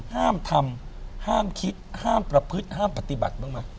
ห้ามทำห้ามคิดห้ามประพฤติห้ามปฏิบัติบ้างไหม